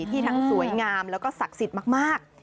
ที่ทั้งสวยงามแล้วก็ศักดิ์สิทธิ์มาก